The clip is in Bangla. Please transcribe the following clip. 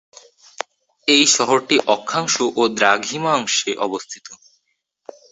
এই শহরটি অক্ষাংশ ও দ্রাঘিমাংশে অবস্থিত।